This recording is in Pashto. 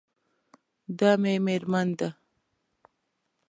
دا مې میرمن ده